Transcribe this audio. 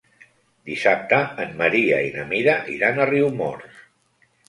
Dissabte en Maria i na Mira iran a Riumors.